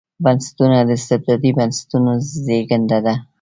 بنسټونه د استبدادي بنسټونو زېږنده ده.